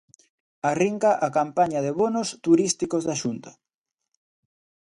Arrinca a campaña da bonos turísticos da Xunta.